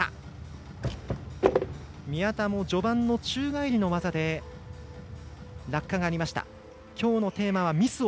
宮田も序盤の宙返りの技で落下がありました。